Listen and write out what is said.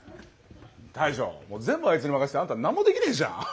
大将全部あいつに任せてあんたなんもできねえじゃん。